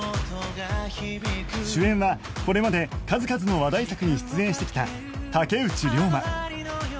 主演はこれまで数々の話題作に出演してきた竹内涼真